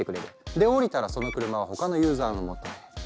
で降りたらその車は他のユーザーの元へ。